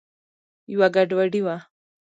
یوه ګډوډي وه.